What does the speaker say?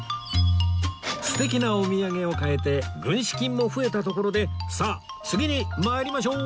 素敵なお土産を買えて軍資金も増えたところでさあ次に参りましょう